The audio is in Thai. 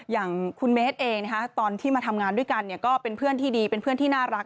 อย่างคุณเมสเองตอนที่มาทำงานด้วยกันก็เป็นเพื่อนที่ดีเป็นเพื่อนที่น่ารัก